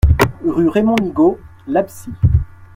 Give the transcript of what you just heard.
Rue Raymond Migaud, L'Absie